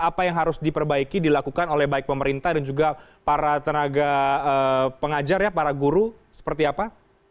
apa yang harus diperbaiki dilakukan oleh baik pemerintah dan juga para tenaga pengajar ya para guru seperti apa